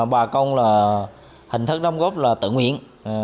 bà con hình thức đóng góp là tự nguyện